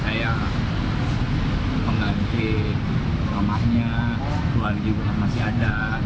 saya mengganti rumahnya keluarga juga masih ada